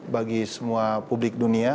bagi semua publik dunia